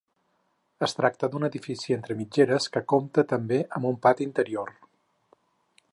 Es tracta d'un edifici entre mitgeres que compta també amb un pati interior.